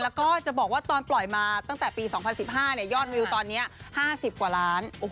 แล้วก็จะบอกว่าตอนปล่อยมาตั้งแต่ปี๒๐๑๕ยอดวิวตอนนี้๕๐กว่าล้าน